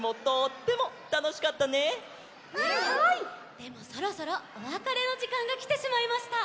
でもそろそろおわかれのじかんがきてしまいました。